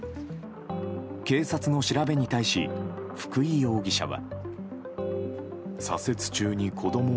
警察の調べに対し福井容疑者は。